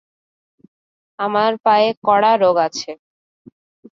আমার পায়ে কড়া রোগ আছে।